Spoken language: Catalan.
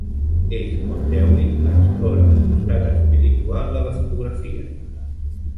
És on Dewitt explora el costat espiritual de la fotografia.